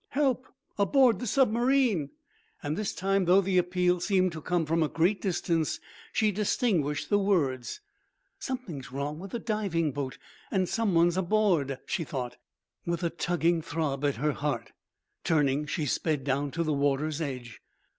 "Help! Aboard the submarine!" This time, though the appeal seemed to come from a great distance, she distinguished the words. "Something wrong with the diving boat, and someone aboard!" she thought, with a tugging throb at the heart. Turning, she sped down to the water's edge.